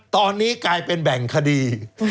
ตอนนี้กลายเป็นแบ่งคดี